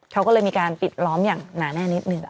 เขาก็เลยมีการปิดล้อมอย่างหนาแน่นิดหนึ่ง